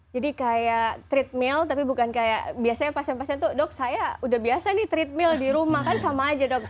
jadi kayak treatment tapi bukan kayak biasanya pasien pasien tuh dok saya udah biasa nih treatment di rumah kan sama aja dok